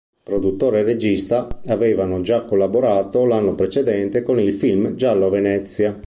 Produttore e regista avevano già collaborato l'anno precedente con il film "Giallo a Venezia".